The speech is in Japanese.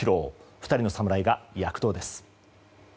２人の侍が躍動です。